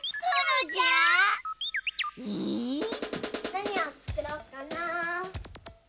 なにをつくろっかな。